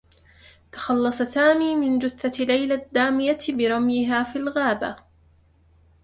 تخلّص سامي من جثّة ليلى الدّامية برميها في الغابة.